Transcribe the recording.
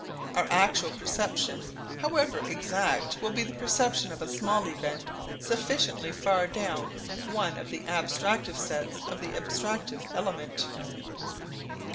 Our actual perception, however exact, will be the perception of a small event sufficiently far down one of the abstractive sets of the abstractive element.